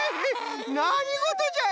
なにごとじゃい？